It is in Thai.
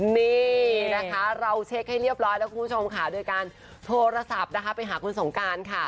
นี่นะคะเราเช็คให้เรียบร้อยแล้วคุณผู้ชมค่ะโดยการโทรศัพท์นะคะไปหาคุณสงการค่ะ